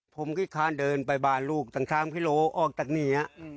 ผมก็ค้านเดินไปบ้านลูกตั้ง๓กิโลออกจากนี้